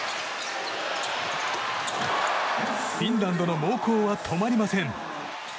フィンランドの猛攻は止まりません。